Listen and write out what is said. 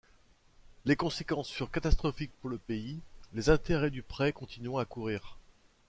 Les conséquences furent catastrophiques pour le pays, les intérêts du prêt continuant à courir.